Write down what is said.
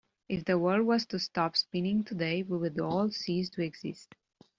If the world was to stop spinning today, we would all cease to exist.